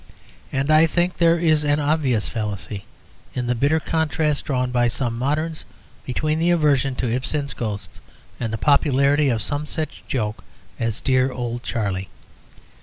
And I think there is an obvious fallacy in the bitter contrasts drawn by some moderns between the aversion to Ibsen's "Ghosts" and the popularity of some such joke as "Dear Old Charlie."